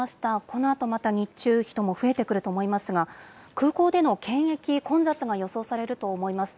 このあと、また日中、人も増えてくると思いますが、空港での検疫、混雑が予想されると思います。